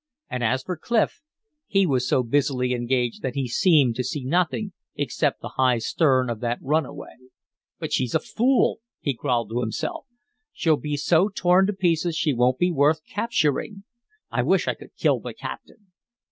And as for Clif, he was so busily engaged that he seemed to see nothing except the high stern of that runaway. "But she's a fool," he growled to himself. "She'll be so torn to pieces she won't be worth capturing. I wish I could kill the captain."